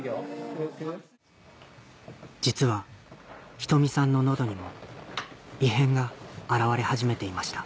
実は仁美さんの喉にも異変が現れ始めていました